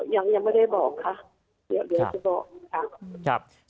ยังไม่ได้บอกค่ะเดี๋ยวจะบอกค่ะ